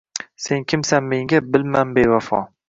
Sen kimsan menga, bilmam bevafo